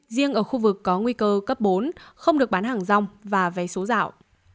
riêng ở khu vực có nguy cơ cấp bốn không được bán hàng rong và vé số dạo